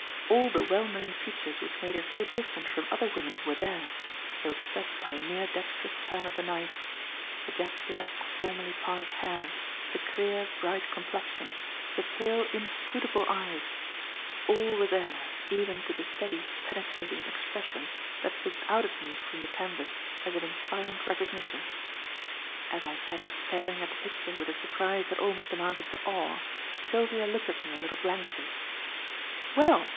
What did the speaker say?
All the well known features which made her so different from other women were there, though expressed by a mere dextrous turn of the knife; the jet black, formally parted hair, the clear, bright complexion, the pale, inscrutable eyes; all were there, even to the steady, penetrating expression that looked out at me from the canvas as if in silent recognition. As I sat staring at the picture with a surprise that almost amounted to awe, Sylvia looked at me a little blankly. "Well!"